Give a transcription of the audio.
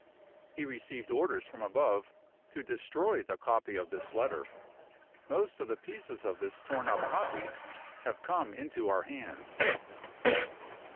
He received orders from above to destroy the copy of this letter. Most of the pieces of this torn up copy have come into our hands.